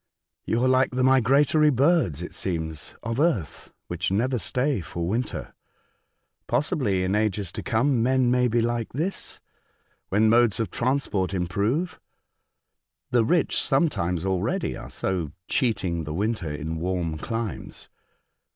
" You are like the migratory birds, it seems, of earth, which never stay for winter. Possibly, in ages to come, men may be like this, when modes of transit improve. The rich sometimes 122 A Voyage to Other Worlds. already are so ' cheating the winter ' in warm climes."